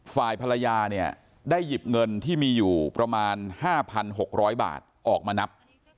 ฝ่ายภรรยาเนี่ยได้หยิบเงินที่มีอยู่ประมาณ๕๖๐๐บาทออกมานับ